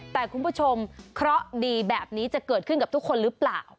แต่คุณผู้ชมเคราะห์ดีแบบนี้จะเกิดขึ้นกับทุกคนหรือเปล่า